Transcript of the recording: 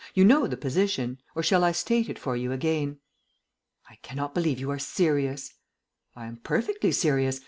You know the position. Or shall I state it for you again?" "I cannot believe you are serious." "I am perfectly serious.